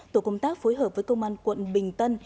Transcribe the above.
tổ công tác phối hợp với công an quận bình tân